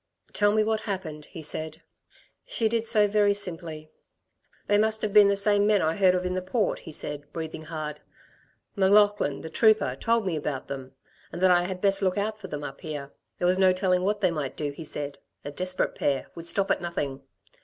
"Tell me what happened," he said. She did so very simply. "They must have been the same men I heard of in the Port," he said, breathing hard. "M'Laughlin, the trooper, told me about them ... and that I had best look out for them up here. There was no telling what they might do, he said a desperate pair would stop at nothing.